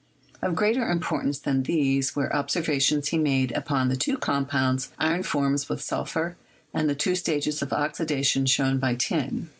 Of greater importance than these were ob servations he made upon the two compounds iron forms with sulphur and the two stages of oxidation shown by tin.